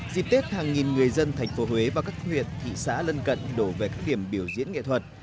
dịp tết hàng nghìn người dân thành phố huế và các huyện thị xã lân cận đổ về các điểm biểu diễn nghệ thuật